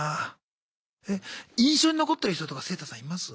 え印象に残ってる人とかセイタさんいます？